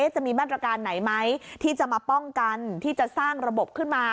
จะมีมาตรการไหนไหมที่จะมาป้องกันที่จะสร้างระบบขึ้นมา